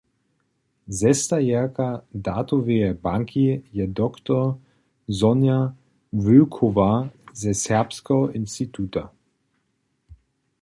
Zestajerka datoweje banki je dr. Sonja Wölkowa ze Serbskeho instituta.